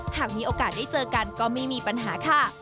หากมีโอกาสได้เจอกันก็ไม่มีปัญหาค่ะ